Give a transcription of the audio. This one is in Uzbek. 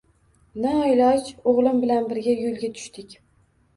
Noiloj oʻgʻlim bilan birga yoʻlga tushdik.